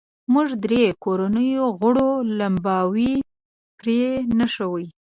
موږ درې کورنیو غړو لمباوې پرې نښوې.